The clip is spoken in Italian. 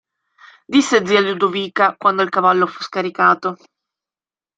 Disse zia Ludovica, quando il cavallo fu scaricato